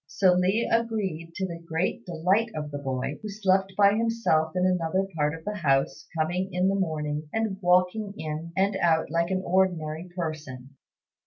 So Li agreed, to the great delight of the boy, who slept by himself in another part of the house, coming in the morning and walking in and out like any ordinary person.